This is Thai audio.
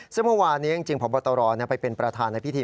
ซึ่งเมื่อวานนี้จริงพบตรไปเป็นประธานในพิธี